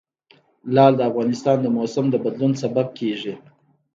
لعل د افغانستان د موسم د بدلون سبب کېږي.